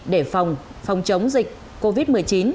để phòng chống dịch covid một mươi chín